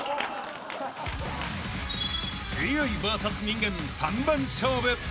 ［ＡＩＶＳ人間３番勝負］